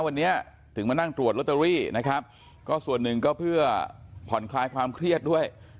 วันนี้ถึงมานั่งตรวจลอตเตอรี่นะครับก็ส่วนหนึ่งก็เพื่อผ่อนคลายความเครียดด้วย